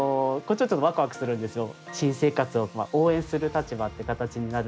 ちょっとワクワクするんですよ。